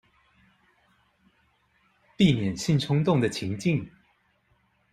避免性衝動的情境